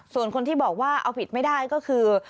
ส่วนคนที่บอกว่าเอาผิดไม่ได้ก็คือ